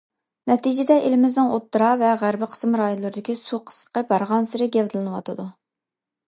نەتىجىدە، ئېلىمىزنىڭ ئوتتۇرا ۋە غەربىي قىسىم رايونلىرىدىكى سۇ قىسلىقى بارغانسېرى گەۋدىلىنىۋاتىدۇ.